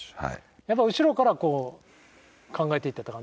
やっぱ後ろからこう考えていったって感じ？